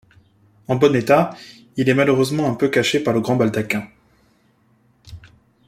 En bon état, il est malheureusement un peu caché par le grand baldaquin.